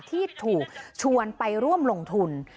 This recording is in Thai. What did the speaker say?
ที่ถูกชวนไปร่วมลงทุน